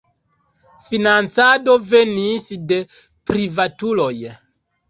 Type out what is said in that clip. Financado venis de privatuloj.